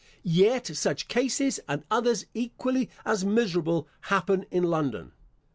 Yet such cases, and others equally as miserable, happen in London.